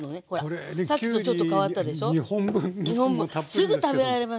すぐ食べられますよ。